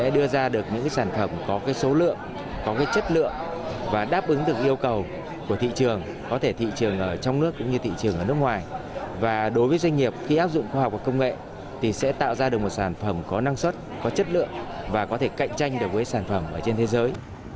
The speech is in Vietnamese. đối với doanh nghiệp khi áp dụng khoa học và công nghệ thì sẽ tạo ra được một sản phẩm có năng suất có chất lượng và có thể cạnh tranh đối với sản phẩm ở trên thế giới